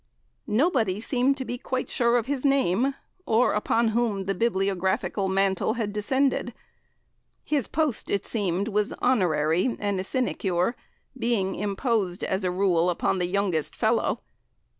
Nobody seemed to be quite sure of his name, or upon whom the bibliographical mantle had descended. His post, it seemed, was honorary and a sinecure, being imposed, as a rule, upon the youngest "Fellow."